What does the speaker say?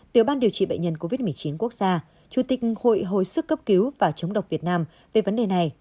tiểu ban điều trị bệnh nhân covid một mươi chín quốc gia chủ tịch hội hồi sức cấp cứu và chống độc việt nam về vấn đề này